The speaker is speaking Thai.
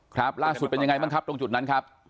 ครับล่าสุดเป็นยังไงบ้างครับตรงจุดนั้นครับ